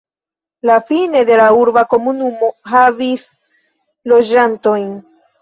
La Fine de la urba komunumo havis loĝantojn.